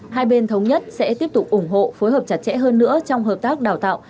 hai bên thống nhất sẽ tiếp tục ủng hộ phối hợp chặt chẽ hơn nữa trong hợp tác đào tạo